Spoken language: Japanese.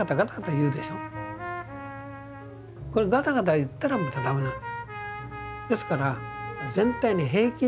これガタガタいったらまただめなの。